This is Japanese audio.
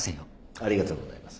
ありがとうございます。